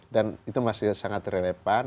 dan itu masih sangat relevan